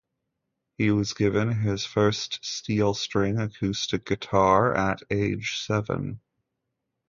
He was given his first steel-string acoustic guitar at age seven.